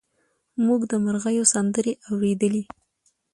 موږ د مرغیو سندرې اورېدلې.